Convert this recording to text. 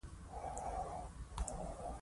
بدني استعداونه او مهارتونه یې وده کوي.